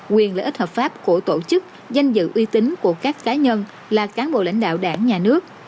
quyền lợi ích hợp pháp của tổ chức danh dự uy tín của các cá nhân là cán bộ lãnh đạo đảng nhà nước